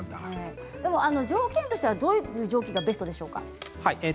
条件としてはどういう条件がベストですか。